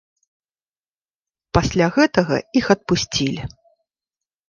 Пасля гэтага іх адпусцілі.